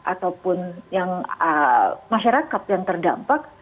ataupun yang masyarakat yang terdampak